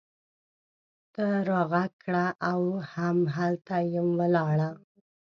ته راږغ کړه! زه هم هلته یم ولاړه